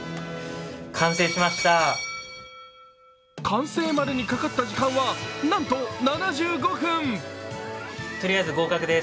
完成までにかかった時間はなんと７５分。